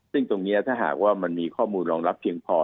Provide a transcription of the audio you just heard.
สิ่งตรงนี้ถ้ามันมีข้อมูลรองรับเทียงพอ